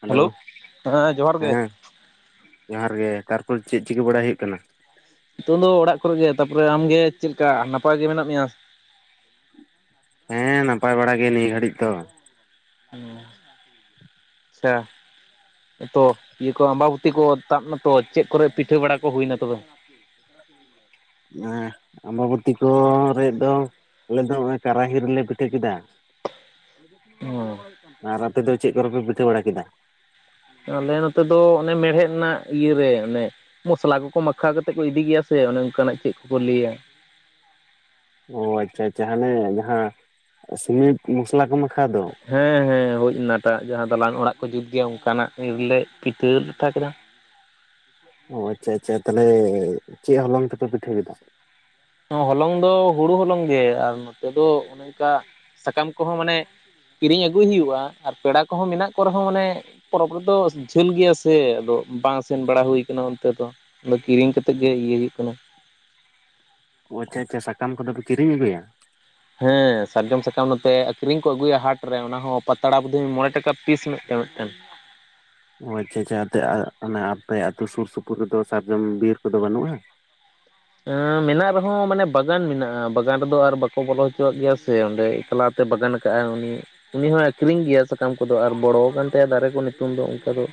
Hello! Hello ᱦᱮᱸ ᱡᱚᱦᱟᱨ ᱜᱮ ᱦᱮᱸ ᱡᱚᱦᱟᱨ ᱜᱮ ᱛᱟᱨᱯᱚᱨ ᱪᱮᱫ ᱪᱤᱠᱟᱹ ᱵᱟᱲᱟ ᱦᱩᱭᱩᱜ ᱠᱟᱱᱟ? ᱱᱤᱛᱚᱝ ᱫᱚ ᱚᱲᱟᱜ ᱠᱚᱨᱮ ᱜᱮ, ᱛᱟᱯᱚᱨᱮ ᱟᱢᱜᱮ ᱪᱮᱫ ᱞᱮᱠᱟ ᱱᱟᱯᱟᱭ ᱜᱮ ᱢᱮᱱᱟᱜ ᱢᱮᱭᱟ? ᱦᱮᱸ ᱱᱟᱯᱟᱭ ᱵᱟᱲᱟ ᱜᱮ ᱱᱤᱭᱟᱹ ᱜᱷᱟᱹᱲᱤᱡ ᱫᱚ᱾ ᱦᱩᱸ, ᱟᱪᱪᱷᱟ ᱾ ᱛᱚ ᱤᱭᱟᱹ ᱠᱚ ᱟᱢᱵᱟᱵᱩᱛᱤ ᱠᱚ ᱛᱟᱵ ᱱᱟᱛᱚ ᱪᱮᱫ ᱠᱚᱨᱮ ᱯᱤᱴᱷᱟᱹ ᱵᱟᱲᱟ ᱠᱚ ᱦᱩᱭᱱᱟ ᱛᱚᱵᱮ? ᱮᱸ ᱟᱢᱵᱟᱵᱩᱛᱤ ᱠᱚᱨᱮ ᱫᱚ ᱟᱞᱮ ᱫᱚ ᱱᱚᱜᱼᱚᱸᱭ ᱠᱟᱨᱟᱦᱤ ᱨᱮᱞᱮ ᱯᱤᱴᱷᱟᱹ ᱠᱮᱫᱟ ᱾ [inaudible] ᱦᱚᱸ ᱾ ᱟᱨ ᱟᱯᱮ ᱫᱚ ᱪᱮᱫ ᱠᱚᱨᱮ ᱯᱮ ᱯᱤᱴᱷᱟᱹ ᱵᱟᱲᱟ ᱠᱮᱫᱟ? ᱟᱞᱮ ᱱᱚᱛᱮ ᱫᱚ ᱚᱱᱮ ᱢᱮᱲᱦᱮᱫ ᱨᱮᱱᱟᱜ ᱤᱭᱟᱹ ᱨᱮ ᱚᱱᱮ ᱢᱚᱥᱞᱟ ᱠᱚᱠᱚ ᱢᱟᱠᱷᱟ ᱠᱟ ᱛᱮᱜ ᱠᱚ ᱤᱫᱤ ᱜᱮᱭᱟ ᱥᱮ ᱚᱱᱮ ᱚᱝᱠᱟᱱᱟᱜ ᱪᱮᱫ ᱠᱚᱠᱚ ᱞᱟᱹᱭᱟ! ᱚ ᱟᱪᱪᱷᱟ ᱟᱪᱪᱷᱟ ᱦᱟᱱᱮ ᱡᱟᱦᱟᱸ ᱥᱤᱢᱤᱴ ᱢᱚᱥᱞᱟ ᱠᱚ ᱢᱟᱠᱷᱟ ᱫᱚ! ᱦᱮᱸ ᱦᱮᱸ ᱦᱩᱭ ᱚᱱᱟᱴᱟᱜ ᱡᱟᱦᱟᱸ ᱫᱟᱞᱟᱱ ᱚᱲᱟᱜ ᱠᱚ ᱡᱩᱛ ᱜᱮᱭᱟ ᱚᱝᱠᱟᱱᱟᱜ ᱨᱮᱞᱮ ᱯᱤᱴᱷᱟᱹ ᱞᱟᱴᱷᱟ ᱠᱮᱫᱟ᱾ ᱚ ᱟᱪᱪᱷᱟ ᱟᱪᱪᱷᱟ, ᱛᱟᱦᱚᱞᱮ ᱪᱮᱫ ᱦᱚᱞᱚᱝ ᱛᱮᱯᱮ ᱯᱤᱴᱷᱟᱹ ᱠᱮᱫᱟ? ᱦᱚᱞᱚᱝ ᱫᱚ ᱦᱩᱲᱩ ᱦᱚᱞᱚᱝ ᱜᱮ, ᱟᱨ ᱱᱚᱛᱮ ᱫᱚ ᱚᱱᱮ ᱚᱱᱠᱟ ᱥᱟᱠᱟᱢ ᱠᱚᱦᱚᱸ ᱢᱟᱱᱮ ᱠᱤᱨᱤᱧ ᱟᱹᱜᱩᱭ ᱦᱩᱭᱩᱜᱼᱟ ᱟᱨ ᱯᱮᱲᱟ ᱠᱚᱦᱚᱸ ᱢᱮᱱᱟᱜ ᱠᱚ ᱨᱮᱦᱚᱸ ᱢᱟᱱᱮ ᱯᱚᱨᱚᱵᱽ ᱨᱮᱫᱚ ᱡᱷᱟᱹᱞ ᱜᱮᱭᱟ ᱥᱮ ᱟᱫᱚ ᱵᱟᱝ ᱥᱮᱱ ᱵᱟᱲᱟ ᱦᱩᱭ ᱠᱟᱱᱟ ᱚᱱᱛᱮ ᱫᱚ᱾ ᱟᱫᱚ ᱠᱤᱨᱤᱧ ᱠᱟᱛᱮ ᱜᱮ ᱤᱭᱟᱹ ᱦᱩᱭᱩᱜ ᱠᱟᱱᱟ᱾ ᱚ ᱟᱪᱪᱷᱟ ᱟᱪᱪᱷᱟ, ᱥᱟᱠᱟᱢ ᱠᱚᱫᱚ ᱯᱮ ᱠᱤᱨᱤᱧ ᱟᱹᱜᱩᱭᱟ? ᱦᱮᱸ ᱥᱟᱨᱡᱚᱢ ᱥᱟᱠᱟᱢ ᱱᱚᱛᱮ ᱟᱹᱠᱷᱨᱤᱧ ᱠᱚ ᱟᱹᱜᱩᱭᱟ ᱦᱟᱴ ᱨᱮ ᱚᱱᱟ ᱦᱚᱸ ᱯᱟᱛᱲᱟ ᱵᱩᱫᱷᱤᱞ ᱢᱚᱬᱮ ᱴᱟᱠᱟ ᱯᱤᱥ ᱢᱮ ᱴᱮᱡ ᱢᱤᱫᱴᱮᱱ ᱾ ᱚ ᱟᱪᱪᱷᱟ ᱟᱪᱪᱷᱟ, ᱟᱛᱮ ᱚᱱᱟ ᱟᱯᱮ ᱟᱹᱛᱩ ᱥᱩᱨ ᱥᱩᱯᱩᱨ ᱨᱮᱫᱚ ᱥᱟᱨᱡᱚᱢ ᱵᱤᱨ ᱠᱚᱫᱚ ᱵᱟᱹᱱᱩᱜᱼᱟ? ᱮᱸᱻ ᱢᱮᱱᱟᱜ ᱨᱮᱦᱚᱸ ᱢᱟᱱᱮ ᱵᱟᱜᱟᱱ ᱢᱮᱱᱟᱜᱼᱟ, ᱵᱟᱜᱟᱱ ᱨᱮᱫᱚ ᱟᱨ ᱵᱟᱠᱚ ᱵᱚᱞᱚ ᱦᱚᱪᱚᱣᱟᱜ ᱜᱮᱭᱟ ᱥᱮ ᱚᱸᱰᱮ ᱮᱠᱞᱟ ᱛᱮ ᱵᱟᱜᱟᱱ ᱠᱟᱜᱼᱟ ᱩᱱᱤ ᱾ ᱩᱱᱤ ᱦᱚᱸᱭ ᱟᱹᱠᱷᱨᱤᱧ ᱜᱮᱭᱟ ᱥᱟᱠᱟᱢ ᱠᱚᱫᱚ, ᱟᱨ ᱵᱚᱲᱚ ᱟᱠᱟᱱ ᱛᱟᱭᱟ ᱫᱟᱨᱮ ᱠᱚ ᱱᱤᱛᱚᱝ ᱫᱚ ᱚᱱᱠᱟ ᱫᱚ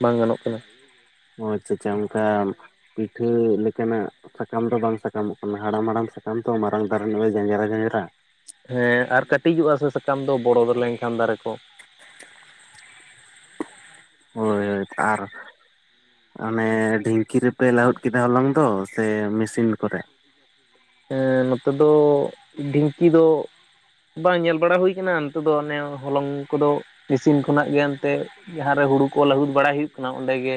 ᱵᱟᱝ ᱜᱟᱱᱚᱜ ᱠᱟᱱᱟ᱾ ᱚ ᱟᱪᱪᱷᱟ ᱟᱪᱪᱷᱟ ᱚᱝᱠᱟ ᱯᱤᱴᱷᱟᱹ ᱞᱮᱠᱟᱱᱟᱜ ᱥᱟᱠᱟᱢ ᱫᱚ ᱵᱟᱝ ᱥᱟᱠᱟᱢᱚᱜ ᱠᱟᱱᱟ ᱦᱟᱲᱟᱢ ᱦᱟᱲᱟᱢ ᱥᱟᱠᱟᱢ ᱛᱚ ᱢᱟᱨᱟᱝ ᱫᱟᱨᱮ ᱱᱟᱹᱲᱤ ᱡᱟᱧᱡᱽᱨᱟ ᱡᱟᱧᱡᱽᱨᱟ᱾ ᱦᱮᱸ ᱟᱨ ᱠᱟᱹᱴᱤᱡᱚᱜᱼᱟ ᱥᱮ ᱥᱟᱠᱟᱢ ᱫᱚ ᱵᱚᱲᱚ ᱞᱮᱝᱠᱷᱟᱱ ᱫᱟᱨᱮ ᱠᱚ᱾ ᱦᱳᱭ ᱦᱳᱭ, ᱟᱨ ᱚᱱᱮ ᱰᱷᱤᱝᱠᱤ ᱨᱮᱯᱮ ᱞᱟᱹᱦᱩᱫ ᱠᱮᱫᱟ ᱦᱚᱞᱚᱝ ᱫᱚ ᱥᱮ ᱢᱤᱥᱤᱱ ᱠᱚᱨᱮ? ᱮᱸ ᱱᱚᱛᱮ ᱫᱚ, ᱰᱷᱤᱝᱠᱤ ᱫᱚ ᱵᱟᱝ ᱧᱮᱞ ᱵᱟᱲᱟ ᱦᱩᱭ ᱟᱱᱟ, ᱱᱛᱮ ᱫᱚ ᱚᱱᱮ ᱦᱚᱞᱚᱝ ᱠᱚᱫᱚ, ᱢᱤᱥᱤᱱ ᱠᱷᱚᱱᱟᱜ ᱜᱮ ᱮᱱᱛᱮ ᱡᱟᱦᱟᱸ ᱨᱮ ᱦᱩᱲᱩ ᱠᱚ ᱞᱟᱹᱦᱩᱫ ᱵᱟᱲᱟᱭ ᱦᱩᱭᱩᱜ ᱠᱟᱱᱟ, ᱚᱸᱰᱮ ᱜᱮ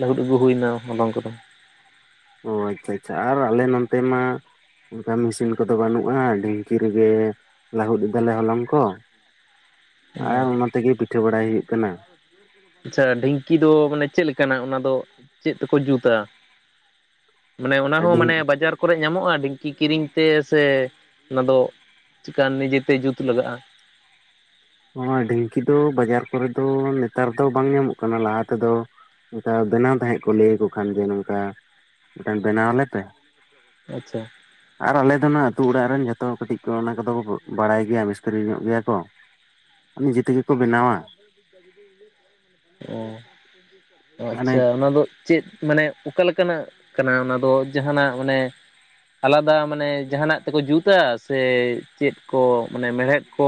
ᱞᱟᱹᱦᱩᱫ ᱟᱹᱜᱩ ᱦᱩᱭᱱᱟ ᱦᱚᱞᱚᱝ ᱠᱚᱫᱚ᱾ ᱚᱻ ᱟᱪᱪᱷᱟ ᱟᱪᱪᱷᱟ, ᱟᱨ ᱟᱞᱮ ᱱᱚᱱᱛᱮ ᱢᱟ ᱚᱱᱠᱟ ᱢᱤᱥᱤᱱ ᱠᱚᱫᱚ ᱵᱟᱹᱱᱩᱜᱼᱟ, ᱰᱷᱤᱝᱠᱤ ᱨᱮᱜᱮ ᱞᱟᱹᱦᱩᱫ ᱫᱟᱞᱮ ᱦᱚᱞᱚᱝ ᱠᱚ᱾ ᱦᱮᱸ ᱟᱨ ᱚᱱᱟ ᱛᱮᱜᱮ ᱯᱤᱴᱷᱟᱹ ᱵᱟᱲᱟᱭ ᱦᱩᱭᱩᱜ ᱠᱟᱱᱟ᱾ ᱟᱪᱪᱷᱟ ᱰᱷᱤᱝᱠᱤ ᱫᱚ ᱢᱟᱱᱮ ᱪᱮᱫ ᱞᱮᱠᱟᱱᱟᱜ, ᱚᱱᱟ ᱫᱚ ᱪᱮᱫ ᱛᱮᱠᱚ ᱡᱩᱛᱟ? ᱢᱟᱱᱮ, ᱚᱱᱟ ᱦᱚᱸ ᱟᱹᱰᱤ ᱢᱟᱱᱮ ᱵᱟᱡᱟᱨ ᱠᱚᱨᱮ ᱧᱟᱢᱚᱜᱼᱟ ᱰᱷᱤᱝᱠᱤ ᱠᱤᱨᱤᱧ ᱛᱮ ᱥᱮ, ᱚᱱᱟ ᱫᱚ ᱪᱮᱠᱟ ᱱᱤᱡᱮ ᱛᱮ ᱡᱩᱛ ᱞᱟᱜᱟᱜᱼᱟ? ᱱᱚᱣᱟ ᱰᱷᱤᱝᱠᱤ ᱫᱚ ᱵᱟᱡᱟᱨ ᱠᱚᱨᱮ ᱫᱚ ᱱᱮᱛᱟᱨ ᱫᱚ ᱵᱟᱝ ᱧᱟᱢᱚᱜ ᱠᱟᱱᱟ᱾ ᱞᱟᱦᱟ ᱛᱮᱫᱚ ᱚᱱᱠᱟ ᱵᱮᱱᱟᱣ ᱛᱟᱦᱮᱸᱫ ᱠᱚ, ᱞᱟᱹᱭ ᱟᱠᱚ ᱠᱷᱟᱱ ᱜᱮ ᱱᱚᱝᱠᱟ, ᱢᱤᱫᱴᱮᱱ ᱵᱮᱱᱟᱣ ᱟᱞᱮ ᱯᱮ᱾ ᱟᱪᱪᱷᱟ, ᱟᱨ ᱟᱞᱮ ᱫᱱᱟᱜ ᱟᱹᱛᱩ ᱚᱲᱟᱜ ᱨᱮᱱ ᱡᱚᱛᱚ ᱦᱚᱲ ᱠᱟᱹᱴᱤᱡ ᱠᱚ, ᱚᱱᱟ ᱠᱚᱫᱚ ᱠᱚ ᱵᱟᱲᱟᱭ ᱜᱮᱭᱟ ᱢᱤᱥᱛᱨᱤ ᱧᱚᱜ ᱜᱮᱭᱟ ᱠᱚ᱾ ᱱᱤᱡᱮ ᱛᱮᱜᱮ ᱠᱚ ᱵᱮᱱᱟᱣᱟ᱾ ᱚ, ᱚ ᱢᱟᱱᱮ ᱟᱪᱪᱷᱟ ᱚᱱᱟ ᱫᱚ ᱪᱮᱫ ᱢᱟᱱᱮ ᱚᱠᱟ ᱞᱮᱠᱟᱱᱟᱜ ᱠᱟᱱᱟ ᱚᱱᱟ ᱫᱚ, ᱡᱟᱦᱟᱱᱟᱜ ᱢᱟᱱᱮ ᱟᱞᱟᱫᱟ ᱢᱟᱱᱮ ᱡᱟᱦᱟᱱᱟᱜ ᱛᱮᱠᱚ ᱡᱩᱛᱟ, ᱥᱮ ᱪᱮᱫ ᱠᱚ ᱢᱟᱱᱮ ᱢᱮᱲᱦᱮᱫ ᱠᱚ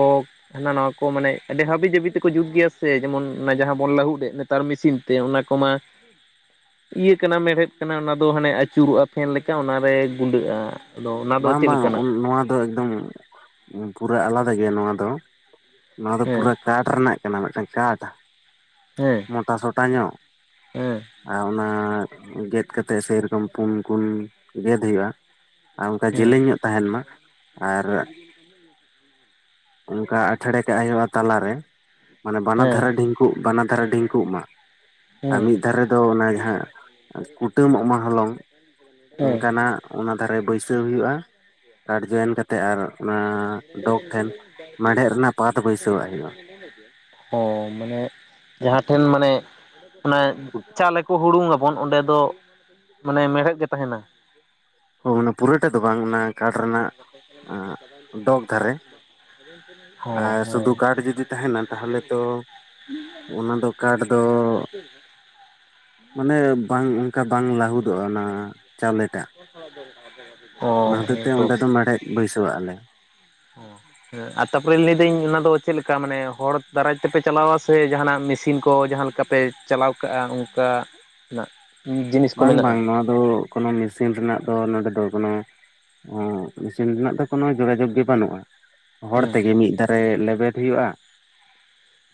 ᱦᱟᱱᱟ ᱱᱟᱣᱭᱟ ᱠᱚ, ᱢᱟᱱᱮ ᱟᱹᱰᱤ ᱦᱟᱹᱵᱤ ᱡᱟᱹᱵᱤ ᱛᱮᱠᱚ ᱡᱩᱛ ᱜᱮᱭᱟ ᱥᱮ, ᱡᱮᱢᱚᱱ ᱚᱱᱟ ᱡᱟᱦᱟᱸ ᱚᱱ ᱞᱟᱹᱦᱩᱫ ᱮᱜ ᱱᱮᱛᱟᱨ ᱢᱤᱥᱤᱱ ᱛᱮ, ᱚᱱᱟ ᱠᱚᱢᱟ ᱤᱭᱟᱹ ᱠᱟᱱᱟ ᱢᱮᱲᱦᱮᱫ ᱠᱟᱱᱟ ᱚᱱᱟ ᱫᱚ, ᱦᱟᱱᱮ ᱟᱹᱪᱩᱨᱚᱜᱼᱟ ᱯᱷᱮᱱ ᱞᱮᱠᱟ ᱚᱱᱟᱨᱮ ᱜᱩᱸᱰᱟᱹᱜᱼᱟ᱾ ᱟᱫᱚ ᱚᱱᱟ ᱫᱚ ᱵᱟᱝ ᱪᱮᱫ ᱵᱟᱝ, ᱞᱮᱠᱟᱱᱟᱜ ᱱᱚᱣᱟ ᱫᱚ ᱮᱠᱫᱚᱢ ᱯᱩᱨᱟᱹ ᱟᱞᱟᱫᱟ ᱜᱮᱭᱟ ᱱᱚᱣᱟ ᱫᱚ᱾ ᱱᱚᱣᱟ ᱫᱚ ᱦᱮᱸ ᱯᱩᱨᱟᱹ ᱠᱟᱴᱷ ᱨᱮᱱᱟᱜ ᱠᱟᱱᱟ, ᱢᱤᱫᱴᱟᱝ ᱠᱟᱴ ᱦᱮᱸ ᱢᱳᱴᱟᱥᱳᱚᱴᱟ ᱧᱚᱜ, ᱦᱮᱸ ᱟᱨ ᱚᱱᱟ ᱜᱮᱫ ᱠᱟᱛᱮ ᱥᱮᱨᱚᱠᱚᱢ ᱯᱩᱱ ᱠᱩᱱ ᱜᱮᱫ ᱦᱩᱭᱩᱜᱼᱟ᱾ ᱟᱨ ᱚᱱᱠᱟ ᱦᱮᱸ ᱡᱮᱞᱮᱧ ᱧᱚᱜ ᱛᱟᱦᱮᱱ ᱢᱟ, ᱟᱨ ᱚᱱᱠᱟ ᱟᱴᱷᱮᱬᱮ ᱠᱟᱜ ᱦᱩᱭᱩᱜᱼᱟ ᱛᱟᱞᱟᱨᱮ, ᱢᱟᱱᱮ ᱵᱟᱱᱟᱨ ᱦᱮᱸ ᱫᱷᱟᱨᱮ ᱰᱷᱤᱝᱠᱩ ᱩᱜ ᱵᱟᱱᱟ ᱫᱷᱟᱨᱮ ᱰᱷᱤᱝᱠᱩᱜ ᱢᱟ᱾ ᱟᱨ ᱦᱮᱸ ᱢᱤᱫ ᱫᱷᱟᱨᱮ ᱫᱚ ᱚᱱᱟ ᱡᱟᱦᱟᱸ, ᱠᱩᱴᱟᱹᱢᱚᱜ ᱢᱟ ᱦᱚᱞᱚᱝ᱾ ᱦᱮᱸ ᱚᱱᱠᱟᱱᱟᱜ ᱚᱱᱟ ᱫᱷᱟᱨᱮ ᱵᱟᱹᱭᱥᱟᱹᱣ ᱦᱩᱭᱩᱜᱼᱟ, ᱠᱟᱰ ᱡᱚᱭᱮᱱ ᱠᱟᱛᱮᱫ ᱟᱨ ᱚᱱᱟ ᱰᱚᱜᱽ ᱴᱷᱮᱱ ᱢᱮᱲᱦᱮᱫ ᱨᱮᱱᱟᱜ ᱯᱟᱛ ᱵᱟᱹᱭᱥᱟᱹᱣᱟᱜ ᱦᱳᱭᱳᱜᱼᱟ᱾ ᱚ ᱢᱟᱱᱮ ᱡᱟᱦᱟᱸ ᱴᱷᱮᱱ ᱢᱟᱱᱮ, ᱚᱱᱟ ᱪᱟᱣᱞᱮ ᱠᱚ ᱦᱩᱲᱩᱝ ᱵᱚᱱ ᱚᱸᱰᱮ ᱫᱚ ᱢᱟᱱᱮ ᱢᱮᱲᱦᱮᱫ ᱜᱮ ᱛᱟᱦᱮᱱᱟ? ᱦ ᱚᱱᱟ ᱯᱩᱨᱟᱹ ᱴᱟ ᱫᱚ ᱵᱟᱝ ᱚᱱᱟ ᱠᱟᱴ ᱨᱮᱱᱟᱜ ᱰᱚᱜᱽ ᱫᱷᱟᱨᱮ [unintelligible] ᱦᱚᱸ ᱟᱨ ᱥᱩᱫᱷᱩ ᱦᱮᱸ ᱠᱟᱴ ᱡᱩᱫᱤ ᱛᱟᱦᱮᱱᱟ ᱛᱟᱦᱚᱞᱮ ᱛᱚ ᱚᱱᱟ ᱫᱚ ᱠᱟᱴ ᱫᱚ ᱨᱥ [unintelligible] ᱢᱟᱱᱮ ᱵᱟᱝ ᱚᱱᱠᱟ ᱵᱟᱝ ᱞᱟᱹᱟᱦᱩᱫᱚᱜᱼᱟ, ᱚᱱᱟ ᱪᱟᱣᱞᱮ ᱴᱟᱜ, ᱠᱷ [unintelligible] ᱚᱱᱟ ᱦᱚᱛᱮᱛᱮ ᱚᱸᱰᱮ ᱫᱚ ᱢᱮᱲᱦᱮᱫ ᱵᱟᱹᱭᱥᱟᱹᱣᱟᱜ ᱟᱞᱮ᱾ ᱚ ᱦᱮᱸ ᱟ ᱛᱟᱯᱚᱨᱮ ᱞᱟᱹᱭᱫᱟᱹᱧ ᱚᱱᱟ ᱫᱚ ᱪᱮᱫ ᱞᱮᱠᱟ, ᱢᱟᱱᱮ ᱦᱚᱲ ᱫᱟᱨᱟᱭ ᱛᱮᱯᱮ ᱪᱟᱞᱟᱣᱟ ᱥᱮ, ᱡᱟᱦᱟᱱᱟᱜ ᱢᱮᱥᱤᱱ ᱠᱚ ᱡᱟᱦᱟᱸ ᱞᱮᱠᱟ ᱯᱮ ᱪᱟᱞᱟᱣ ᱠᱟᱜᱼᱟ ᱚᱱᱠᱟ ᱱᱟᱜ? ᱡᱤᱱᱤᱥ ᱠᱚ ᱵᱟᱝ ᱢᱮᱱᱟᱜᱼᱟ ᱵᱟᱝ, ᱱᱚᱣᱟ ᱫᱚ ᱠᱳᱱᱳ ᱢᱮᱥᱤᱱ ᱨᱮᱱᱟᱜ ᱫᱚ ᱱᱚᱰᱮ ᱫᱚ ᱠᱳᱱᱳ ᱚ ᱤᱥᱤᱱ ᱨᱮᱱᱟᱜ ᱫᱚ ᱠᱳᱱᱳ ᱡᱳᱜᱟᱡᱳᱜ ᱜᱮ ᱵᱟᱱᱩᱜ-ᱟ᱾ ᱦᱚᱲ ᱦᱮᱸ ᱛᱮᱜᱮ ᱢᱤᱫ ᱫᱷᱟᱨᱮ ᱞᱮᱵᱮᱫ ᱦᱩᱭᱩᱜ-ᱟ᱾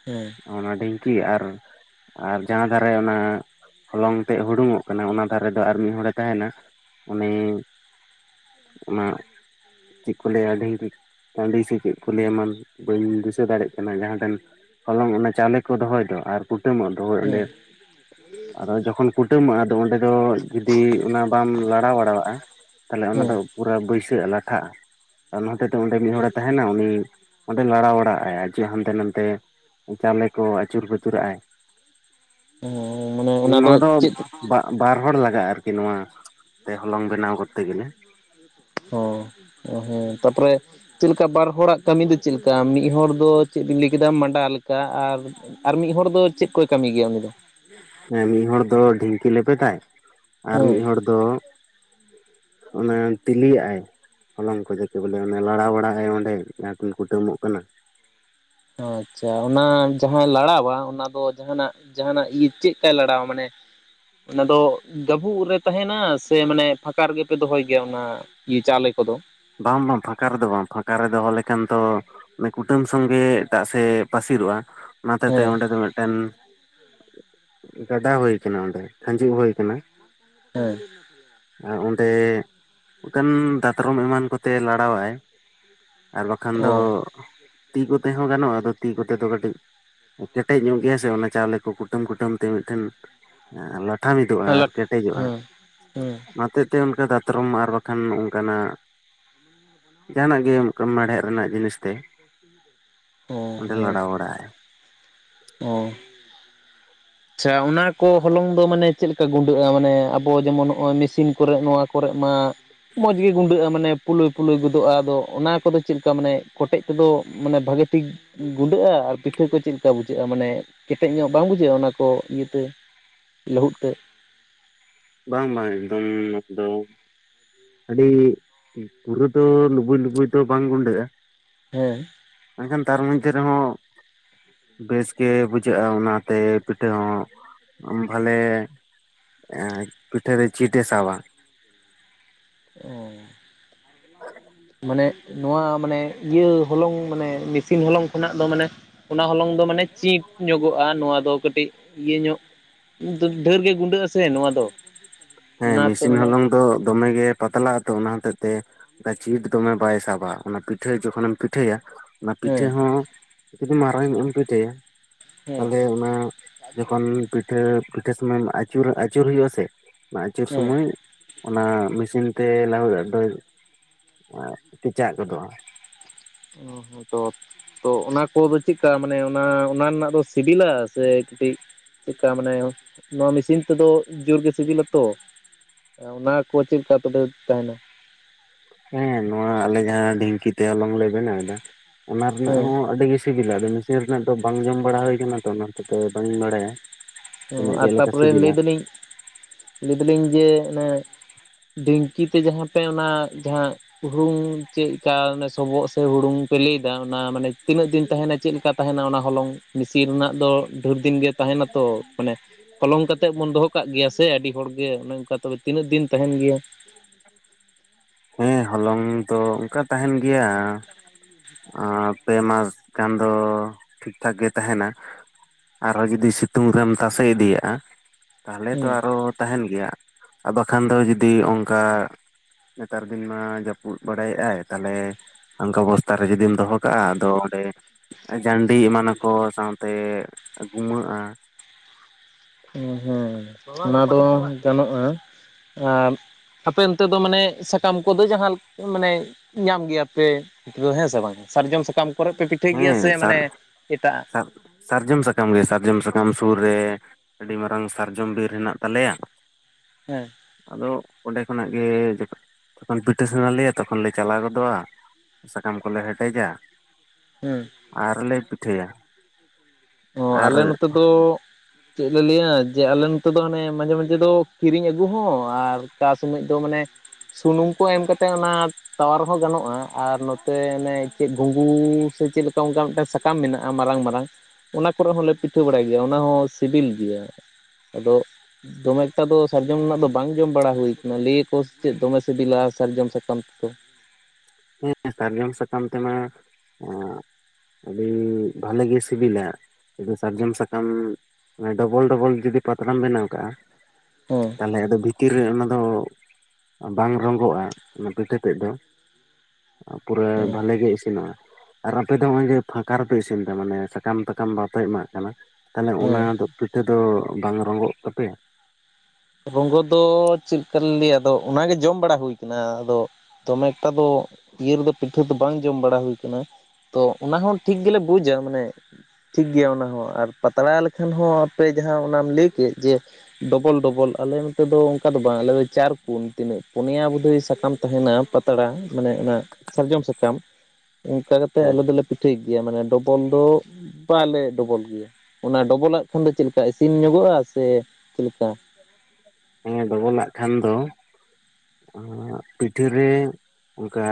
ᱦᱮᱸ᱾ ᱚᱱᱟ ᱰᱷᱤᱝᱠᱤ ᱟᱨ ᱟᱨ ᱡᱟᱦᱟᱸ ᱫᱷᱟᱨᱮ ᱚᱱᱟ ᱦᱚᱞᱚᱝ ᱛᱮᱜ ᱦᱩᱰᱩᱝ ᱚᱜ ᱠᱟᱱᱟ ᱚᱱᱟ ᱫᱷᱟᱨᱮ ᱫᱚ ᱟᱨ ᱢᱤᱫ ᱦᱚᱲᱮ ᱛᱟᱦᱮᱱᱟ, ᱩᱱᱤᱚᱱ ᱚᱱᱟ ᱪᱮᱜ ᱠᱚ ᱞᱟᱹᱭᱟ ᱟᱹᱰᱤᱧ ᱨᱤᱱ ᱴᱟᱺᱰᱤᱭ ᱥᱤ ᱠᱮᱜ ᱠᱚ ᱞᱟᱹᱭᱟ ᱢᱟᱱ ᱵᱟᱹᱧ ᱫᱤᱥᱟᱹ ᱫᱟᱲᱮᱜ ᱡᱟᱦᱟ ᱫᱚᱱ ᱦᱚᱞᱚᱝ ᱚᱱᱟ ᱪᱟᱣᱞᱮ ᱠᱚ ᱫᱚᱦᱚᱭ ᱫᱚ ᱟᱨ ᱠᱩᱴᱟᱹᱢᱚᱜ ᱫᱚ ᱦᱳᱭ ᱚᱸᱰᱮ, ᱦᱮᱸ ᱟᱫᱚ ᱡᱚᱠᱷᱚᱱ ᱠᱩᱴᱟᱹᱢᱚᱜ-ᱟ ᱛᱚ ᱚᱸᱰᱮ ᱫᱚ ᱡᱩᱫᱤ ᱚᱱᱟ ᱵᱟᱢ ᱞᱟᱲᱟᱣ ᱵᱟᱲᱟᱣᱟᱜ-ᱟ, ᱛᱟᱦᱚᱞᱮ ᱚᱱᱟ ᱫᱚ ᱦᱮᱸ ᱯᱩᱨᱟᱹ ᱵᱟᱹᱭᱥᱟᱜ-ᱟ ᱞᱟᱴᱷᱟᱜ-ᱟ᱾ ᱚᱱᱟ ᱦᱚᱛᱮᱛᱮ ᱚᱸᱰᱮ ᱢᱤᱜ ᱦᱚᱲᱮ ᱛᱟᱦᱮᱱᱟ ᱩᱱᱤ, ᱚᱸᱰᱮ ᱞᱟᱲᱟ ᱵᱟᱲᱟᱣᱟᱜ ᱟᱭ ᱟᱨ ᱡᱚ ᱦᱟᱱᱛᱮ ᱱᱟᱛᱮ ᱪᱟᱣᱞᱮ ᱠᱚ ᱟᱹᱪᱩᱨ ᱵᱟᱹᱪᱩᱨ ᱟᱜᱟᱭ᱾ ᱚ ᱢᱟᱱᱮ ᱚᱱᱟ ᱫᱚ ᱪᱮᱫ? ᱵᱟᱜ ᱵᱟᱨ ᱦᱚᱲ ᱞᱟᱜᱟᱜ-ᱟ ᱟᱨᱠᱤ ᱱᱚᱣᱟ ᱛᱮ ᱦᱚᱞᱚᱝ ᱵᱮᱱᱟᱣ ᱠᱚᱨᱛᱮ ᱜᱮᱞᱮ᱾ ᱚ ᱚ ᱦᱮᱸ ᱛᱟᱨᱯᱚᱨ ᱪᱮᱜ ᱞᱮᱠᱟ ᱵᱟᱨ ᱦᱚᱲᱟᱜ ᱠᱟᱹᱢᱤ ᱫᱚ ᱪᱮᱜ ᱞᱮᱠᱟ ᱢᱤᱝ ᱦᱚᱲ ᱫᱚ ᱪᱮᱝ ᱵᱱᱤ ᱞᱟᱹᱭ ᱠᱮᱫᱟ ᱢᱟᱸᱰᱟ ᱞᱮᱠᱟ ᱟᱨ ᱟᱨ ᱢᱤᱜ ᱦᱚᱲ ᱫᱚ ᱪᱮᱫ ᱠᱚᱭ ᱠᱟᱹᱢᱤ ᱜᱮᱭᱟ ᱩᱱᱤ ᱫᱚ? ᱦᱮᱸ ᱢᱤᱫ ᱦᱚᱲ ᱫᱚ ᱰᱷᱤᱝᱠᱤ ᱞᱮᱵᱮᱫᱟᱭ, ᱟᱨ ᱦᱮᱸ ᱢᱤᱜ ᱦᱚᱲ ᱫᱚ ᱚᱱᱟ ᱛᱤᱞᱤᱭᱟᱜ-ᱟᱭ᱾ ᱦᱚᱞᱚᱝ ᱠᱚ ᱡᱟᱠᱮ ᱵᱚᱞᱮ ᱚᱱᱮ ᱞᱟᱲᱟ ᱵᱟᱲᱟᱣ ᱦᱮ ᱚᱸᱰᱮ ᱡᱟᱦᱟᱸᱴᱤᱱ ᱠᱩᱴᱟᱹᱢᱚᱜ ᱠᱟᱱᱟ᱾ ᱟᱪᱪᱷᱟ ᱚᱱᱟ ᱡᱟᱦᱟᱸ ᱞᱟᱲᱟ ᱵᱟᱲᱟᱜ ᱚᱱᱟ ᱫᱚ ᱪᱮᱜ ᱨᱮᱱᱟᱜ ᱡᱟᱦᱟᱸᱱᱟᱜ ᱤ ᱪᱮᱜᱠᱟᱭ ᱞᱟᱲᱟᱣᱟ ᱢᱟᱱᱮ ᱚᱱᱟ ᱫᱚ ᱜᱟᱹᱵᱩᱜ ᱨᱮ ᱛᱟᱦᱮᱱᱟ ᱥᱮ ᱢᱟᱱᱮ ᱯᱷᱟᱸᱠᱟ ᱨᱮᱜᱮ ᱯᱮ ᱫᱚᱦᱚᱭ ᱜᱮᱭᱟ ᱚᱱᱟ ᱜᱤ ᱪᱟᱣᱞᱮ ᱠᱚᱫᱚ᱾ ᱵᱟᱝ ᱵᱟᱝ ᱯᱷᱟᱸᱠᱟ ᱨᱮᱫᱚ ᱵᱟᱝ ᱯᱷᱟᱸᱠᱟ ᱨᱮ ᱫᱚᱦᱚ ᱞᱮᱠᱷᱟᱱ ᱛᱚ ᱩᱱᱤ ᱠᱩᱴᱟᱹᱢ ᱥᱚᱸᱜᱮ ᱮᱴᱟᱜ ᱥᱮᱜ ᱮ ᱯᱟᱹᱥᱤᱨᱚᱜ-ᱟ, ᱚᱱᱟ ᱦᱚᱛᱮᱛᱮ ᱦᱮᱸ ᱚᱸᱰᱮ ᱫᱚ ᱢᱤᱫᱴᱮᱱ ᱜᱟᱰᱟ ᱦᱩᱭ ᱠᱟᱱᱟ ᱚᱸᱰᱮ ᱠᱷᱟᱸᱡᱩᱜ ᱦᱩᱭ ᱠᱟᱱᱟ᱾ ᱦᱮᱸ᱾ ᱟᱨ ᱚᱸᱰᱮ ᱚᱱᱠᱟᱱ ᱫᱟᱛᱨᱚᱢ ᱮᱢᱟᱱ ᱠᱚᱛᱮ ᱞᱟᱲᱟᱣᱟᱭ, ᱟᱨ ᱵᱟᱠᱷᱟᱱ ᱫᱚ ᱚ ᱛᱤ ᱠᱚᱛᱮ ᱦᱚᱸ ᱜᱟᱱᱚᱜ-ᱟ ᱟᱫᱚ ᱛᱤ ᱠᱚᱛᱮ ᱫᱚ ᱠᱟᱹᱴᱤᱡ ᱠᱮᱴᱮᱡ ᱧᱚᱜ ᱜᱮᱭᱟ ᱥᱮ ᱚᱱᱟ ᱪᱟᱣᱞᱮ ᱠᱚ ᱠᱩᱴᱟᱹᱢ ᱠᱩᱴᱟᱹᱢ ᱛᱮ ᱢᱤᱫᱴᱷᱮᱱ ᱮᱸ ᱞᱟᱴᱷᱟ ᱢᱤᱫᱩᱜ-ᱟ ᱦᱮᱸ ᱟᱨ ᱠᱮᱴᱮᱡᱚᱜ-ᱟ᱾ ᱦᱮᱸ ᱦᱮᱸ ᱚᱱᱟ ᱦᱚᱛᱮᱡ ᱛᱮ ᱚᱱᱠᱟ ᱫᱟᱛᱨᱚᱢ ᱟᱨ ᱵᱟᱠᱷᱟᱱ ᱚᱱᱠᱟᱱᱟᱜ ᱡᱟᱦᱟᱸᱱᱟᱜ ᱜᱮ ᱚᱱᱠᱟ ᱢᱮᱬᱦᱮᱜ ᱨᱮᱱᱟᱜ ᱡᱤᱱᱤᱥ ᱛᱮ ᱚ ᱚᱸᱰᱮ ᱞᱟᱲᱟᱣ ᱵᱟᱲᱟᱜ-ᱟᱭ᱾ ᱚᱻ ᱟᱪᱪᱷᱟ ᱚᱱᱟ ᱠᱚ ᱦᱚᱞᱚᱝ ᱫᱚ ᱢᱟᱱᱮ ᱪᱮᱜ ᱞᱮᱠᱟ ᱜᱩᱸᱰᱟᱹᱜ-ᱟ? ᱢᱟᱱᱮ ᱟᱵᱚ ᱡᱮᱢᱚᱱ ᱱᱚᱜ-ᱚᱭ ᱢᱮᱥᱤᱱ ᱠᱚᱨᱮᱜ ᱱᱚᱣᱟ ᱠᱚᱨᱮᱜ ᱢᱟ ᱢᱚᱡᱽ ᱜᱮ ᱜᱩᱸᱰᱟᱹᱜ-ᱟ ᱢᱟᱱᱮ ᱯᱩᱞᱩᱞᱟᱹ ᱯᱩᱞᱩᱞᱟᱹ ᱜᱚᱫᱚᱜ-ᱟ ᱟᱫᱚ ᱚᱱᱟ ᱠᱚᱫᱚ ᱪᱮᱜ ᱞᱮᱠᱟ ᱢᱟᱱᱮ ᱠᱚᱴᱮᱡ ᱛᱮᱫᱚ ᱢᱟᱱᱮ ᱵᱷᱟᱜᱮ ᱴᱷᱤᱠ ᱜᱩᱸᱰᱟᱹᱜ-ᱟ ᱟᱨ ᱯᱤᱴᱷᱟᱹ ᱠᱚ ᱪᱮᱜ ᱞᱮᱠᱟ ᱵᱩᱡᱷᱟᱹᱜ-ᱟ ᱢᱟᱱᱮ ᱠᱮᱴᱮᱡ ᱧᱚᱜ ᱵᱟᱝ ᱵᱩᱡᱷᱟᱹᱜ-ᱟ ᱚᱱᱟ? ᱠᱚ ᱤᱭᱟᱹ ᱛᱮ ᱞᱟᱹᱦᱩᱫ ᱛᱮ᱾ ᱵᱟᱝ ᱵᱟᱝ ᱮᱠᱫᱚᱢ [unintelligible] ᱟᱹᱰᱤ ᱯᱩᱨᱟᱹ ᱫᱚ ᱞᱩᱵᱩᱭ ᱞᱩᱵᱩᱭ ᱫᱚ ᱵᱟᱝ ᱜᱩᱸᱰᱟᱹᱜ-ᱟ᱾ ᱦᱮᱸ᱾ ᱢᱮᱱᱠᱷᱟᱱ ᱛᱟᱨ ᱢᱚᱡᱽᱫᱷᱮ ᱨᱮᱦᱚᱸ ᱵᱮᱥ ᱜᱮ ᱵᱩᱡᱷᱟᱹᱜᱼᱟ ᱚᱱᱟᱛᱮ ᱯᱤᱴᱷᱟᱹ [unintelligible] ᱮᱸ ᱯᱤᱴᱷᱟᱹ ᱨᱮ ᱪᱤᱴ ᱮ ᱥᱟᱵᱟ᱾ ᱚ ᱢᱟᱱᱮ ᱱᱚᱣᱟ ᱢᱟᱱᱮ ᱤᱭᱟᱹ ᱦᱚᱞᱚᱝ ᱢᱟᱱᱮ ᱢᱮᱥᱤᱱ ᱦᱚᱞᱚᱝ ᱠᱷᱚᱱᱟᱜ ᱫᱚ ᱢᱟᱱᱮ ᱚᱱᱟ ᱦᱚᱞᱚᱝ ᱫᱚ ᱢᱟᱱᱮ ᱪᱤᱴ ᱧᱚᱜᱚᱜ-ᱟ ᱱᱚᱣᱟ ᱫᱚ ᱠᱟᱹᱴᱤᱡ ᱤᱭᱟᱹ ᱧᱚᱜ ᱰᱷᱮᱨ ᱜᱮ ᱜᱩᱸᱰᱟᱹᱜ-ᱟ ᱥᱮ ᱱᱚᱣᱟ ᱫᱚ᱾ ᱦᱮᱸ ᱚᱱᱟᱛᱮ ᱢᱮᱥᱤᱱ ᱢᱟᱱᱮ ᱦᱚᱞᱚᱝ ᱫᱚ ᱫᱚᱢᱮ ᱜᱮ ᱯᱟᱛᱞᱟᱜ ᱟᱛᱚ ᱚᱱᱟ ᱦᱚᱛᱮᱡ ᱛᱮ ᱪᱤᱴ ᱫᱚᱢᱮ ᱵᱟᱭ ᱥᱟᱵᱟ ᱚᱱᱟ ᱯᱤᱴᱷᱟᱹ ᱡᱚᱠᱷᱚᱱᱮᱢ ᱯᱤᱴᱷᱟᱹᱭᱟ᱾ ᱚᱱᱟ ᱯᱤᱴᱷᱟᱹ ᱦᱮᱸ ᱦᱚᱸ ᱡᱩᱫᱤ ᱢᱟᱨᱟᱝ ᱧᱚᱜ ᱮᱢ ᱯᱤᱴᱷᱟᱹᱭᱟ ᱦᱮᱸ ᱛᱟᱦᱞᱮ ᱚᱱᱟ ᱡᱚᱠᱷᱚᱱ ᱯᱤᱴᱷᱟᱹ ᱯᱤᱴᱷᱟᱹ ᱥᱚᱢᱚᱭ ᱮᱢ ᱟᱹᱪᱩᱨᱟ ᱟᱹᱪᱩᱨ ᱦᱩᱭᱩᱜ-ᱟ ᱥᱮ ᱚᱱᱟ ᱟᱹᱪᱩᱨ ᱦᱮᱸ ᱥᱚᱢᱚᱭ ᱚᱱᱟ ᱢᱮᱥᱤᱱ ᱛᱮ ᱞᱟᱹᱦᱩᱫ-ᱟᱜ ᱫᱚᱭ ᱠᱮᱪᱟᱜ ᱜᱚᱫᱚᱜ-ᱟ᱾ ᱚ ᱦᱚᱸ ᱛᱚ᱾ ᱛᱚ ᱚᱱᱟ ᱠᱚᱫᱚ ᱪᱮᱫᱠᱟ ᱢᱟᱱᱮ ᱚᱱᱟ ᱚᱱᱟ ᱨᱮᱱᱟᱜ ᱫᱚ ᱥᱤᱵᱤᱞᱟ ᱥᱮ ᱠᱟᱹᱴᱤᱡ ᱪᱮᱫᱠᱟ ᱢᱟᱱᱮ ᱱᱚᱣᱟ ᱢᱮᱥᱤᱱ ᱛᱮᱫᱚ ᱡᱳᱨ ᱜᱮ ᱥᱤᱵᱤᱞᱟ ᱛᱳ᱾ ᱚᱱᱟ ᱠᱚ ᱪᱮᱫ ᱞᱮᱠᱟ ᱛᱚᱵᱮ ᱛᱟᱦᱮᱸᱱᱟ? ᱦᱮᱸ ᱱᱚᱣᱟ ᱟᱞᱮ ᱡᱟᱦᱟᱸ ᱰᱷᱤᱝᱠᱤ ᱛᱮ ᱦᱚᱞᱚᱝ ᱞᱮ ᱵᱮᱱᱟᱣ ᱮᱫᱟ ᱚᱱᱟ ᱨᱮᱱᱟᱜ ᱦᱮᱸ ᱦᱚᱸ ᱟᱹᱰᱤ ᱥᱤᱵᱤᱞᱟ ᱟᱫᱚ ᱢᱮᱥᱤᱱ ᱨᱮᱱᱟᱜ ᱫᱚ ᱵᱟᱝ ᱡᱚᱢ ᱵᱟᱲᱟ ᱦᱩᱭ ᱟᱠᱟᱱᱟ ᱛᱚ ᱚᱱᱟ ᱦᱚᱛᱮᱡ ᱛᱮ ᱵᱟᱝ ᱤᱧ ᱵᱟᱲᱟᱭᱟ᱾ ᱚ ᱛᱤᱱᱟᱹᱜ ᱟᱨ ᱪᱮᱫ ᱞᱮᱠᱟ ᱛᱟᱯᱚᱨᱮ ᱥᱤᱵᱤᱞᱟ ᱞᱟᱹᱭ ᱫᱟᱹᱞᱤᱧ ᱞᱟᱹᱭ ᱫᱟᱹᱞᱤᱧ ᱡᱮ ᱚᱱᱮ ᱰᱷᱤᱝᱠᱤ ᱛᱮ ᱡᱟᱦᱟᱸ ᱯᱮ ᱚᱱᱟ ᱡᱟᱦᱟᱸ ᱦᱩᱲᱩᱝ ᱪᱮᱫ ᱠᱟ ᱥᱚᱵᱚᱜ ᱥᱮ ᱦᱩᱲᱩᱝ ᱯᱮ ᱞᱟᱹᱭᱮᱫᱟ ᱚᱱᱟ ᱢᱟᱱᱮ ᱛᱤᱱᱟᱹᱜ ᱫᱤᱱ ᱛᱟᱦᱮᱱᱟ ᱪᱮᱫᱞᱮᱠᱟ ᱛᱟᱦᱮᱱᱟ ᱚᱱᱟ ᱦᱚᱞᱚᱝ ᱢᱤᱥᱤᱱ ᱨᱮᱱᱟᱜ ᱫᱚ ᱰᱷᱮᱨ ᱫᱤᱱ ᱜᱮ ᱛᱟᱸᱦᱮᱱᱟ ᱛᱚ। ᱢᱟᱱᱮ ᱦᱚᱞᱚᱝ ᱠᱟᱛᱮᱜ ᱵᱚᱱ ᱫᱚᱦᱚ ᱠᱟᱜ ᱜᱮᱭᱟ ᱥᱮ ᱟᱹᱰᱤ ᱦᱚᱲᱜᱮ ᱚᱱᱮ ᱚᱱᱠᱟ ᱛᱚᱵᱮ ᱛᱤᱱᱟᱹᱜ ᱫᱤᱱ ᱛᱟᱦᱮᱱ ᱜᱮᱭᱟ? [unintelligible] ᱦᱮᱸ ᱦᱚᱞᱚᱝ ᱫᱚ ᱚᱱᱠᱟ ᱛᱟᱸᱦᱮᱱ ᱜᱮᱭᱟ ᱯᱮ ᱢᱟᱥ ᱜᱟᱱ ᱫᱚ ᱴᱷᱤᱠ ᱴᱷᱟᱠ ᱜᱮ ᱛᱟᱦᱮᱱᱟ। ᱟᱨᱚ ᱡᱩᱫᱤ ᱥᱤᱛᱩᱝ ᱨᱮᱢ ᱛᱟᱥᱮ ᱤᱫᱤᱭᱟᱜᱼᱟ ᱛᱟᱦᱚᱞᱮ ᱛᱚ ᱦᱩᱸ ᱟᱨᱚ ᱛᱟᱦᱮᱱ ᱜᱮᱭᱟ ᱟᱫᱚ ᱠᱷᱟᱱ ᱫᱚ ᱡᱩᱫᱤ ᱚᱱᱠᱟ ᱱᱮᱛᱟᱨ ᱫᱤᱱ ᱢᱟ ᱡᱟᱹᱯᱩᱫ ᱵᱟᱲᱟᱭᱮᱫᱟᱭ ᱛᱟᱦᱚᱞᱮ ᱚᱱᱠᱟ ᱵᱚᱥᱛᱟ ᱨᱮ ᱡᱩᱫᱤᱢ ᱫᱚᱦᱚ ᱠᱟᱜᱼᱟ ᱟᱫᱚ ᱚᱸᱰᱮ ᱡᱟᱱᱰᱤ ᱮᱢᱟᱱᱟᱠᱚ ᱥᱟᱶᱛᱮ ᱜᱩᱢᱟᱹᱜᱼᱟ। ᱦᱮᱸ ᱦᱮᱸ ᱚᱱᱟ ᱫᱚ ᱜᱟᱱᱚᱜᱼᱟ ᱟᱨ ᱟᱯᱮ ᱚᱱᱛᱮ ᱫᱚ ᱢᱟᱱᱮ ᱥᱟᱠᱟᱢ ᱠᱚᱫᱚ ᱡᱟᱦᱟᱸ ᱢᱟᱱᱮ ᱧᱟᱢ ᱜᱮᱭᱟ ᱯᱮ। ᱫᱚ ᱦᱮᱸ ᱥᱮ ᱵᱟᱝ ᱥᱟᱨᱡᱚᱢ ᱥᱟᱠᱟᱢ ᱠᱚᱨᱮ ᱯᱮ ᱯᱤᱴᱷᱟᱹᱭ ᱜᱮᱭᱟ ᱦᱮᱸ ᱥᱮ ᱥᱟᱨ ᱢᱟᱱᱮ ᱮᱴᱟᱜ-ᱟᱜ? ᱥᱟᱨ ᱥᱟᱨᱡᱚᱢ ᱥᱟᱠᱟᱢ ᱜᱮ ᱥᱟᱨᱡᱚᱢ ᱥᱟᱠᱟᱢ ᱥᱩᱨ ᱨᱮ ᱟᱹᱰᱤ ᱢᱟᱨᱟᱝ ᱥᱟᱨᱡᱚᱢ ᱵᱤᱨ ᱦᱮᱱᱟᱜ ᱛᱟᱞᱮᱭᱟ। ᱦᱮᱸ। ᱟᱫᱚ ᱚᱸᱰᱮ ᱠᱷᱚᱱᱟᱜ ᱜᱮ ᱡᱚᱠᱷᱚᱱ ᱯᱤᱴᱷᱟᱥᱟᱱᱟ ᱞᱮᱭᱟ ᱛᱚᱠᱷᱚᱱ ᱞᱮ ᱪᱟᱞᱟᱣ ᱜᱚᱫᱚᱜᱼᱟ। ᱥᱟᱠᱟᱢ ᱠᱚᱞᱮ ᱦᱮᱴᱮᱡᱟ। ᱦᱩᱸ। ᱟᱨᱞᱮ ᱯᱤᱴᱷᱟᱹᱭᱟ। ᱚ ᱟᱨ ᱟᱞᱮ ᱱᱚᱛᱮ ᱫᱚ ᱪᱮᱫ ᱞᱮ ᱞᱟᱹᱭᱟ ᱡᱮ ᱟᱞᱮ ᱱᱚᱛᱮ ᱫᱚ ᱦᱟᱱᱮ ᱢᱟᱡᱷᱮ ᱢᱟᱡᱷᱮ ᱫᱚ ᱠᱤᱨᱤᱧ ᱟᱹᱜᱩ ᱦᱚᱸ ᱟᱨ ᱚᱠᱟ ᱥᱚᱢᱚᱭ ᱫᱚ ᱢᱟᱱᱮ ᱥᱩᱱᱩᱢ ᱠᱚ ᱮᱢ ᱠᱟᱛᱮᱜ ᱚᱱᱟ ᱛᱟᱣᱟ ᱨᱮᱦᱚᱸ ᱜᱟᱱᱚᱜᱼᱟ ᱟᱨ ᱱᱚᱛᱮ ᱮᱱᱮ ᱪᱮᱫ ᱜᱩᱜᱩ ᱥᱮ ᱪᱮᱫ ᱚᱱᱠᱟ ᱢᱤᱫᱴᱟᱝ ᱥᱟ ᱥᱟᱠᱟᱢ ᱢᱮᱱᱟᱜᱼᱟ ᱢᱟᱨᱟᱝ ᱢᱟᱨᱟᱝ ᱚᱱᱟ ᱠᱚᱨᱮ ᱦᱚᱸᱞᱮ ᱯᱤᱴᱷᱟᱹ ᱵᱟᱲᱟᱭ ᱜᱮᱭᱟ ᱚᱱᱟ ᱦᱚᱸᱥᱤᱵᱤᱞ ᱜᱮᱭᱟ। ᱟᱫᱚᱜ ᱫᱚᱢᱮ ᱮᱠᱴᱟ ᱫᱚ ᱥᱟᱨᱡᱚᱢ ᱨᱮᱱᱟᱜ ᱫᱚ ᱵᱟᱝ ᱡᱚᱢ ᱵᱟᱲᱟ ᱦᱩᱭ ᱠᱟᱱᱟ ᱞᱟᱹᱭᱟᱠᱚ ᱥᱮᱪᱮᱫ ᱫᱚᱢᱮ ᱥᱤᱵᱤᱞᱟ ᱥᱟᱨᱡᱚᱢ ᱥᱟᱠᱟᱢ ᱨᱮᱫᱚ। ᱦᱮᱸ ᱥᱟᱨᱡᱚᱢ ᱥᱟᱠᱟᱢ ᱛᱮᱢᱟ ᱩᱸᱜ ᱟᱹᱰᱤ ᱵᱷᱟᱞᱤ ᱜᱮ ᱥᱤᱵᱤᱞᱟ। ᱡᱩᱫᱤ ᱥᱟᱨᱡᱚᱢ ᱥᱟᱠᱟᱢ ᱰᱚᱵᱚᱞ ᱰᱚᱵᱚᱞ ᱡᱩᱫᱤ ᱯᱟᱛᱲᱟᱢ ᱵᱮᱱᱟᱣ ᱠᱟᱜᱼᱟ ᱦᱩᱸ᱾ ᱛᱟᱦᱚᱞᱮ ᱟᱫᱚ ᱵᱷᱤᱛᱤᱨ ᱨᱮ ᱚᱱᱟ ᱫᱚ ᱵᱟᱝ ᱨᱚᱸᱜᱚᱜᱼᱟ ᱚᱱᱟ ᱯᱤᱴᱷᱟᱹ ᱛᱮᱫ ᱫᱚ। ᱟ ᱯᱩᱨᱟᱹ ᱦᱮᱸ ᱵᱷᱟᱞᱮ ᱜᱮ ᱤᱥᱤᱱᱚᱜᱼᱟ। ᱟᱨ ᱟᱯᱮ ᱫᱚ ᱱᱚᱸᱜᱼᱚᱭ ᱡᱮ ᱯᱷᱟᱸᱠᱟ ᱨᱮᱯᱮ ᱤᱥᱤᱱ ᱫᱟ ᱢᱟᱱᱮ ᱥᱟᱠᱟᱢ ᱛᱟᱠᱟᱢ ᱵᱟᱯᱮ ᱮᱢᱟᱜ ᱠᱟᱱᱟ ᱛᱟᱦᱚᱞᱮ ᱚᱱᱟ ᱦᱮᱸ ᱫᱚ ᱯᱤᱴᱷᱟᱹ ᱫᱚ ᱵᱟᱝ ᱨᱚᱸᱜᱚᱜ ᱛᱟᱯᱮᱭᱟ? ᱨᱚᱝᱜᱚ ᱫᱚ ᱪᱮᱫ ᱞᱮᱠᱟ ᱞᱮ ᱞᱟᱹᱭᱟ ᱟᱫᱚ ᱚᱱᱟᱜᱮ ᱡᱚᱢ ᱵᱟᱲᱟ ᱦᱩᱭᱩ ᱠᱟᱱᱟ, ᱟᱫᱚ ᱫᱚᱢᱮ ᱮᱠᱴᱟ ᱫᱚ ᱤᱭᱟᱹ ᱨᱮᱫᱚ ᱯᱤᱴᱷᱟ ᱫᱚ ᱵᱟᱝ ᱡᱚᱢ ᱵᱟᱲᱟ ᱦᱩᱭ ᱠᱟᱱᱟ। ᱛᱚ ᱚᱱᱟ ᱦᱚᱸ ᱴᱷᱤᱠ ᱜᱮᱞᱮ ᱵᱩᱡᱟ ᱢᱟᱱᱮ ᱴᱷᱤᱠ ᱜᱮᱭᱟ ᱚᱱᱟ ᱦᱚᱸ ᱟᱨ ᱯᱟᱛᱲᱟ ᱞᱮᱠᱷᱟᱱ ᱦᱚᱸ ᱟᱯᱮ ᱡᱟᱦᱟᱸ ᱚᱱᱟᱢ ᱞᱟᱹᱭ ᱠᱮᱫ ᱡᱮ ᱰᱚᱵᱚᱞ ᱰᱚᱵᱚᱞ ᱟᱞᱮ ᱱᱚᱛᱮ ᱫᱚ ᱚᱱᱠᱟ ᱫᱚ ᱵᱟᱝ ᱟᱞᱮ ᱫᱚ ᱪᱟᱨ ᱠᱩᱱ ᱛᱤᱱᱟᱹᱜ ᱯᱩᱱᱭᱟ ᱵᱩᱫᱷᱚᱭ ᱥᱟᱠᱟᱢ ᱛᱟᱦᱮᱸᱱᱟ ᱯᱟᱛᱲᱟ ᱢᱟᱱᱮ ᱚᱱᱟ ᱥᱟᱨᱡᱚᱢ ᱥᱟᱠᱟᱢ ᱚᱱᱠᱟ ᱠᱟᱛᱮᱜ ᱦᱮᱸ ᱟᱞᱮ ᱫᱚᱞᱮ ᱯᱤᱴᱷᱟᱭ ᱜᱮᱭᱟ ᱢᱟᱱᱮ ᱰᱚᱵᱚᱞ ᱫᱚ ᱵᱟᱞᱮ ᱰᱚᱵᱚᱞ ᱜᱮᱭᱟ। ᱚᱱᱟ ᱰᱚᱵᱚᱞᱟᱜ ᱠᱷᱟᱱ ᱫᱚ ᱪᱮᱫ ᱞᱮᱠᱟ ᱤᱥᱤᱱ ᱧᱚᱜᱚᱜᱼᱟ ᱥᱮ ᱪᱮᱫ ᱞᱮᱠᱟ? ᱦᱮᱸᱰᱚᱵᱚᱞᱟᱜ ᱠᱷᱟᱱ ᱫᱚ ᱮᱸᱜ ᱯᱤᱴᱷᱟ ᱨᱮ ᱚᱱᱠᱟ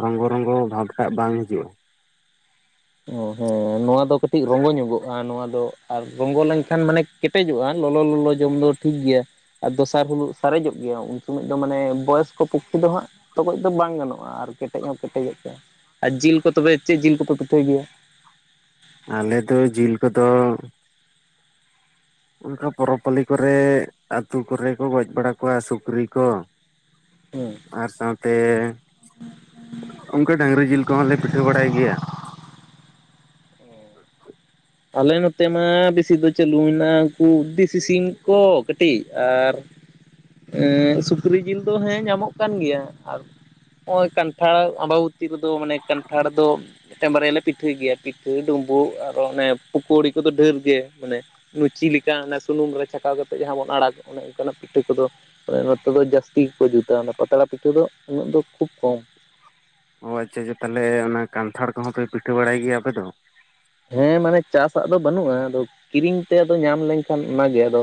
ᱨᱚᱝᱜᱚ ᱨᱚᱝᱜᱚ ᱵᱷᱟᱵ ᱴᱟᱜ ᱵᱟᱝ ᱦᱤᱡᱩᱜ-ᱟ। ᱚ ᱦᱮᱸ ᱱᱚᱣᱟ ᱫᱚ ᱠᱟᱴᱤᱡ ᱨᱚᱝᱜᱚ ᱧᱚᱜᱚ-ᱟ ᱱᱚᱣᱟ ᱫᱚ ᱟᱨ ᱨᱚᱸᱝᱜᱚ ᱞᱮᱱᱠᱷᱟᱱ ᱢᱟᱱᱮ ᱠᱮᱴᱮᱡᱚᱜᱼᱟ ᱞᱚᱞᱚ ᱞᱚᱞᱚ ᱡᱚᱢ ᱫᱚ ᱴᱷᱤᱠ ᱜᱮᱭᱟ। ᱟᱨ ᱫᱚᱥᱟᱨ ᱦᱤᱞᱳᱜ ᱥᱟᱨᱮᱡᱚᱜ ᱜᱮᱭᱟ ᱩᱱ ᱥᱚᱢᱳᱡ ᱫᱚ ᱢᱟᱱᱮ ᱵᱚᱭᱚᱥᱠᱚ ᱯᱚᱠᱠᱷᱤ ᱫᱚ ᱦᱟᱸᱜ ᱛᱚᱜᱚᱡ ᱫᱚ ᱵᱟᱝ ᱜᱟᱱᱚᱜᱼᱟ ᱟᱨ ᱠᱮᱴᱮᱡ ᱦᱚᱸ ᱠᱮᱴᱮᱡᱚᱜ ᱜᱮᱭᱟ ᱟᱨ ᱡᱤᱞ ᱠᱚ ᱛᱚᱵᱮ ᱪᱮᱫ ᱡᱤᱞ ᱠᱚᱯᱮ ᱯᱤᱴᱷᱟᱹᱭ ᱜᱮᱭᱟ? ᱟᱞᱮ ᱫᱚ ᱡᱤᱞ ᱠᱚᱫᱚ ᱚᱱᱠᱟ ᱯᱚᱨᱚᱵᱽ ᱯᱟᱹᱞᱤ ᱠᱚᱨᱮ ᱟᱛᱩ ᱠᱚᱨᱮ ᱠᱚ ᱜᱚᱡ ᱵᱟᱲᱟ ᱠᱚᱣᱟ ᱥᱩᱠᱨᱤ ᱠᱚ᱾ ᱦᱮᱸ᱾ ᱟᱨ ᱥᱟᱶᱛᱮ ᱩᱱᱠᱟ ᱰᱟᱝᱨᱤ ᱡᱤᱞ ᱠᱚᱦᱚᱸᱞᱮ ᱯᱤᱴᱷᱟᱹ ᱵᱟᱲᱟᱭ ᱜᱮᱭᱟ᱾ ᱟᱞᱮ ᱱᱚᱛᱮ ᱢᱟ ᱵᱮᱥᱤ ᱫᱚ ᱪᱟᱹᱞᱩ ᱢᱮᱱᱟᱜᱼᱟ ᱩᱱᱠᱩ ᱫᱤᱥᱤ ᱠᱚ ᱠᱟᱹᱴᱤᱡ ᱟᱨ ᱮᱸ ᱥᱩᱠᱨᱤ ᱡᱤᱞ ᱫᱚ ᱦᱮᱸ ᱧᱟᱢᱚᱜ ᱠᱟᱱ ᱜᱮᱭᱟ, ᱟᱨ ᱱᱚᱸᱜᱼᱚᱭ ᱠᱟᱱᱴᱷᱟᱲ ᱟᱸᱵᱟᱵᱚᱛᱤ ᱨᱮᱫᱚ ᱢᱟᱱᱮ ᱠᱟᱱᱴᱷᱟᱲ ᱫᱚ ᱢᱤᱫᱴᱮᱱ ᱵᱟᱨᱭᱟᱞᱮ ᱯᱤᱴᱷᱟᱹᱭ ᱜᱮᱭᱟ ᱯᱤᱴᱷᱟᱹ ᱰᱩᱸᱵᱩᱜ ᱟᱨ ᱚᱱᱮ ᱯᱳᱠᱳᱲᱤ ᱠᱚᱫᱚ ᱰᱷᱮᱨ ᱜᱮ ᱢᱟᱱᱮ ᱞᱩᱪᱤ ᱞᱮᱠᱟ ᱚᱱᱟ ᱥᱩᱱᱩᱢ ᱨᱮ ᱪᱷᱟᱠᱟᱣ ᱠᱟᱛᱮᱫ ᱡᱟᱦᱟᱸ ᱵᱚᱱ ᱟᱲᱟᱜᱽ ᱫᱚ ᱚᱱᱮ ᱚᱱᱠᱟᱱᱟᱜ ᱯᱤᱴᱷᱟᱹ ᱠᱚᱫᱚ ᱱᱚᱛᱮ ᱫᱚ ᱡᱟᱹᱥᱛᱤ ᱜᱮᱠᱚ ᱡᱩᱛᱟ ᱚᱱᱮ ᱯᱟᱛᱲᱟ ᱯᱤᱴᱷᱟᱹ ᱫᱚ ᱩᱱᱟᱹᱜ ᱫᱚ ᱠᱷᱩᱵ ᱠᱚᱢ᱾ ᱚ ᱟᱪᱪᱷᱟ ᱟᱪᱪᱷᱟ ᱛᱟᱦᱚᱞᱮ ᱚᱱᱟ ᱠᱟᱱᱛᱷᱟᱲ ᱠᱚᱦᱚᱸ ᱯᱮ ᱯᱤᱴᱷᱟᱹ ᱵᱟᱲᱟᱭ ᱜᱮᱭᱟ ᱟᱯᱮ ᱫᱚ? ᱦᱮᱸ ᱢᱟᱱᱮ ᱪᱟᱥᱟᱜ ᱫᱚ ᱵᱟᱱᱩᱜᱼᱟ ᱟᱫᱚ ᱠᱤᱨᱤᱧ ᱛᱮ ᱟᱫᱚ ᱧᱟᱢ ᱞᱮᱱᱠᱷᱟᱱ ᱚᱱᱟᱜᱮ ᱟᱫᱚ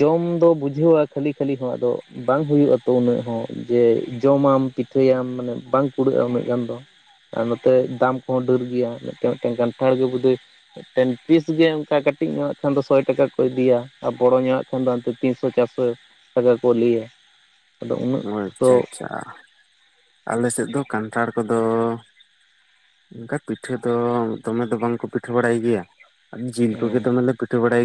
ᱡᱚᱢ ᱫᱚ ᱵᱩᱡᱷᱟᱹᱣᱟ ᱠᱷᱟᱹᱞᱤ ᱠᱷᱟᱹᱞᱤ ᱦᱚᱸ ᱟᱫᱚ ᱵᱟᱝ ᱦᱩᱭᱩᱜ ᱟᱛᱚ ᱩᱱᱟᱹᱜ ᱦᱚᱸ᱾ ᱡᱮ ᱡᱚᱢᱟᱢ ᱯᱤᱴᱷᱟᱹᱭᱟᱢ ᱢᱟᱱᱮ ᱵᱟᱝ ᱠᱩᱲᱟᱹᱜ-ᱟ ᱩᱱᱟᱹᱜ ᱜᱟᱱ ᱫᱚ᱾ ᱟᱨ ᱱᱚᱛᱮ ᱫᱟᱢ ᱠᱚᱦᱚᱸ ᱰᱟᱹᱨ ᱜᱮᱭᱟ ᱢᱤᱫᱴᱮᱱ ᱢᱤᱫᱴᱮᱱ ᱠᱟᱱᱟᱱᱴᱷᱟᱲ ᱜᱮ ᱵᱩᱫᱟᱹᱭ ᱢᱤᱫᱴᱮᱱ ᱯᱤᱥ ᱜᱮ ᱚᱱᱠᱟ ᱠᱟᱹᱴᱤᱡ ᱧᱚᱜᱟᱜ ᱠᱷᱟᱱ ᱫᱚ ᱥᱚᱭ ᱴᱟᱠᱟ ᱠᱚ ᱤᱫᱤᱭᱟ ᱟᱨ ᱵᱚᱲᱚ ᱧᱚᱜᱟᱜ ᱠᱷᱟᱱ ᱫᱚ ᱛᱤᱱᱥᱚ ᱪᱟᱨᱥᱚ ᱴᱟᱠᱚ ᱠᱚ ᱞᱟᱹᱭᱟ ᱟᱫᱚ ᱩᱱᱟᱹᱜ ᱛᱚ ᱟᱪᱪᱷᱟ᱾ ᱟᱞᱮᱥᱮᱫ ᱫᱚ ᱠᱟᱱᱴᱷᱟᱲ ᱠᱚᱫᱚ ᱚᱱᱠᱟ ᱯᱤᱴᱷᱟᱹ ᱫᱚ ᱫᱚᱢᱮ ᱫᱚ ᱵᱟᱝᱠᱚ ᱯᱤᱴᱷᱟᱹ ᱵᱟᱲᱟᱭ ᱜᱮᱭᱟ ᱡᱤᱞ ᱠᱚᱜᱮ ᱫᱚᱢᱮ ᱞᱮ ᱯᱤᱴᱷᱟᱹ ᱵᱟᱲᱟᱭ